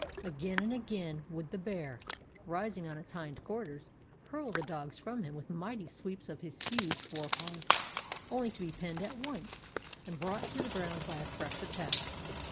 Again and again would the bear, rising on his hind quarters, hurl the dogs from him with mighty sweeps of his huge fore paws, only to be penned at once, and brought to the ground by a fresh attack.